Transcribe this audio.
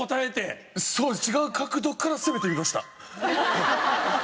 そう違う角度から攻めてみました。